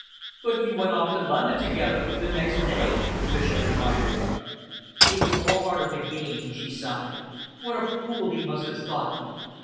"But you went off to London together, the neat day?" the Bishop reminded her. "It was all part of the game," she sighed. "What a fool he must have thought me!